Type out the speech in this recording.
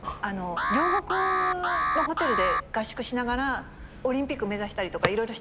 両国のホテルで合宿しながらオリンピック目指したりとか色々してたんだよね。